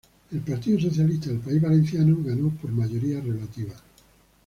El Partido Socialista del País Valenciano ganó por mayoría relativa.